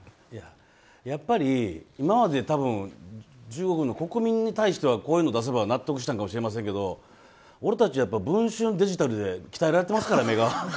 やっぱり今まで中国の国民に対してはこういうのを出せば納得したのかもしれませんけど俺たちやと、文春デジタルで鍛えられてますから、目が。